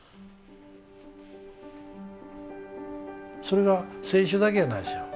それが選手だけやないですよ。